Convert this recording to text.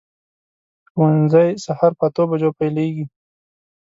ښوونځی سهار په اتو بجو پیلېږي.